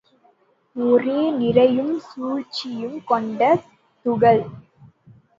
ஒரே நிறையும் சுழற்சியும் கொண்ட துகள்.